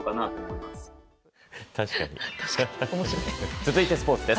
続いてスポーツです。